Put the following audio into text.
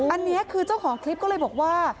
อันนี้คือเจ้าของคลิปก็เลยบอกว่า